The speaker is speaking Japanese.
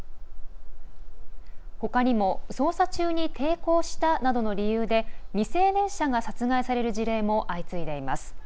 ほかにも捜査中に抵抗したなどの理由で未成年者が殺害される事例も相次いでいます。